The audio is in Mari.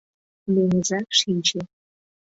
Меҥыза шинче.